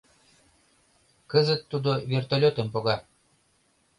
Кызыт тудо вертолётым пога.